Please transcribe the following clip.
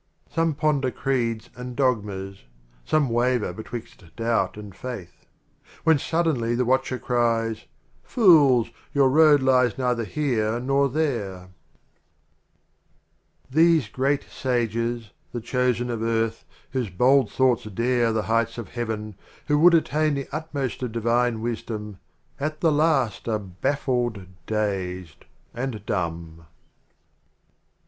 XXV. Some ponder Creeds and Dogmas; Some waver betwixt Doubt and Faith ; When suddenly the Watcher cries, "Fools, your Road lies neither Here nor There !" XXVI. These Great Sages, the Chosen of Earth, Whose bold thoughts dare the Heights of Heaven, Who would attain the utmost of Divine Wisdom, At the last are baffled, dazed and dumb.